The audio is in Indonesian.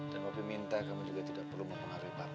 dan papi minta kamu juga tidak perlu menghapir papi